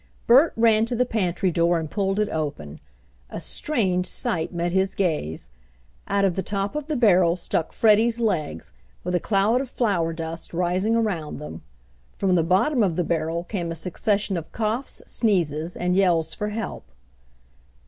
Bert ran to the pantry door and pulled it open. A strange sight met his gaze. Out of the top of the barrel stuck Freddie's legs, with a cloud of flour dust rising around them. From the bottom of the barrel came a succession of coughs, sneezes, and yells for help.